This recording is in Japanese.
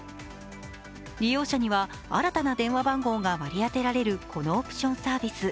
利用者には新たな電話番号が割り当てられるこのオプションサービス。